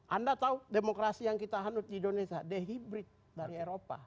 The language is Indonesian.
anda tahu demokrasi yang kita hanut di indonesia dehibrid dari eropa